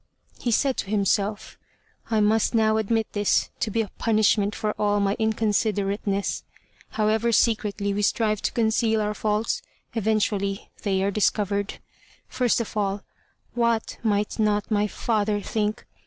He said to himself, "I must now admit this to be a punishment for all my inconsiderateness. However secretly we strive to conceal our faults, eventually they are discovered. First of all, what might not my father think!